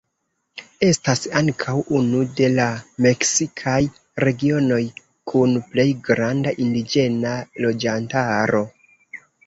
Estas ankaŭ unu de la meksikaj regionoj kun plej granda indiĝena loĝantaro.